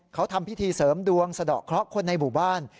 เขาทำพิธีเสริมดวงสะดอกเคราะห์คนในหมู่บ้าน